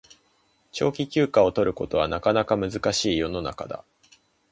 長期休暇を取ることはなかなか難しい世の中だ